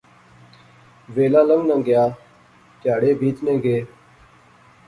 ویلا لنگنا گیا۔ تہاڑے بیتنے گئے